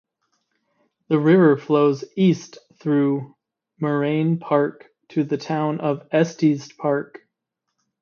The river flows east through Moraine Park to the town of Estes Park.